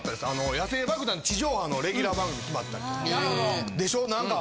野性爆弾地上波のレギュラー番組決まったりとか。